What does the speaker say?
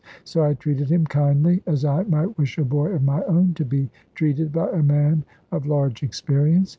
So I treated him kindly; as I might wish a boy of my own to be treated by a man of large experience.